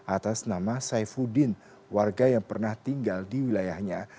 atas nama saifuddin warga yang pernah tinggal di wilayahnya